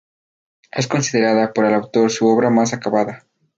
Es considerada por el autor su obra más acabada.